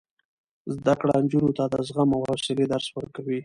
زده کړه نجونو ته د زغم او حوصلې درس ورکوي.